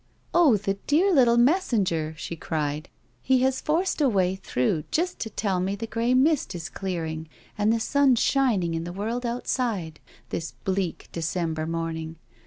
Oh, the dear little messenger 1" she cried. "He has forced a way through just to tell me the grey mist is clearing and the sun shining in the world outside, this bleak, December morning.